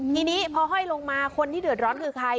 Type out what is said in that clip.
ทีนี้พอห้อยลงมาคนที่เดือดร้อนคือใคร